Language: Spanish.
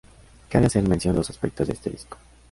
Cabe hacer mención de dos aspectos de este disco.